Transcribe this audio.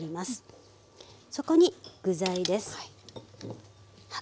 そこに具材です。